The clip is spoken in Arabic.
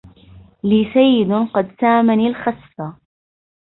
لي سيد قد سامني الخسفا